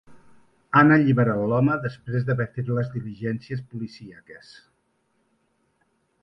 Han alliberat l’home després d’haver fet les diligències policíaques.